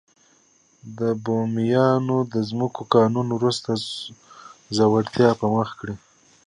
د بومیانو د ځمکو قانون وروسته ځوړتیا په مخه کړې.